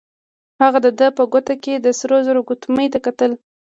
هغه د ده په ګوته کې د سرو زرو ګوتمۍ ته کتل.